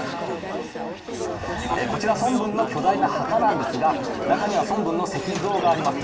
こちら孫文の巨大な墓なんですが中には孫文の石像があります。